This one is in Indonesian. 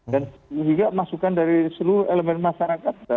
dan juga masukan dari seluruh elemen masyarakat